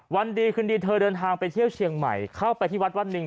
วันดีคืนดีเธอเดินทางไปเที่ยวเชียงใหม่เข้าไปที่วัดวันหนึ่ง